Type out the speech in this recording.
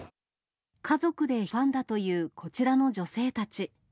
家族でファンだというこちらの女性たち。